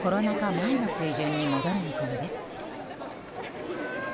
前の水準に戻る見込みです。